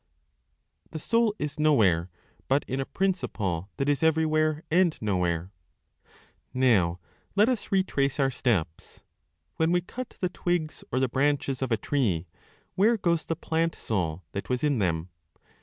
THE SOUL IS NOWHERE BUT IN A PRINCIPLE THAT IS EVERYWHERE AND NOWHERE. Now, let us retrace our steps. When we cut the twigs or the branches of a tree, where goes the plant soul that was in them?